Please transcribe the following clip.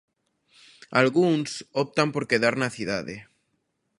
Algúns optan por quedar na cidade...